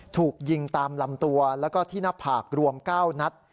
ถูกยิงตามลำตัวและที่หน้าผากรวมก้าวนัด